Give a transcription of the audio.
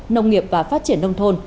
nông nghiệp và phát triển nông thôn